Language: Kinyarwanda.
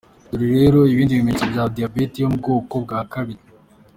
Dore rero ibindi bimenyetso bya diabete yo mu bwoko bwa kabiri:.